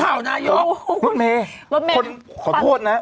ดูข่าวนายุเนตเมย์รถเมย์ขอโทษนะ